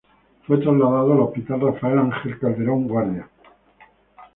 Fue trasladado al Hospital Rafael Ángel Calderón Guardia.